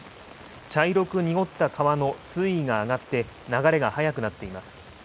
茶色く濁った川の水位が上がって、流れが速くなっています。